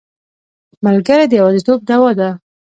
ملګری د یوازیتوب دوا ده.